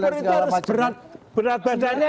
naikot itu harus berat badannya